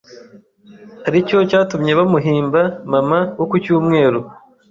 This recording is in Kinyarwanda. aricyo cyatumye bamuhimba Mama wo ku Cyumweru’